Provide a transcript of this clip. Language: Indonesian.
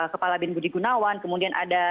kepala bin budi gunawan kemudian ada